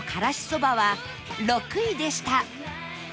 そばは６位でした